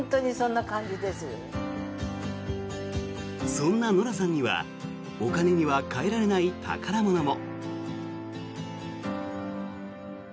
そんなノラさんにはお金には代えられない宝物も。